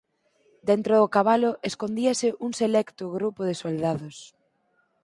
Dentro do cabalo escondíase un selecto grupo de soldados.